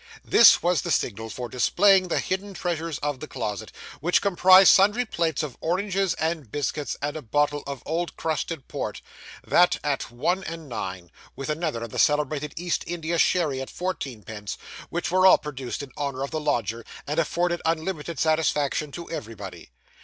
This was the signal for displaying the hidden treasures of the closet, which comprised sundry plates of oranges and biscuits, and a bottle of old crusted port that at one and nine with another of the celebrated East India sherry at fourteen pence, which were all produced in honour of the lodger, and afforded unlimited satisfaction to everybody.